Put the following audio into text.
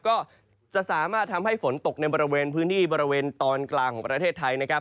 ก็จะสามารถทำให้ฝนตกในบริเวณพื้นที่บริเวณตอนกลางของประเทศไทยนะครับ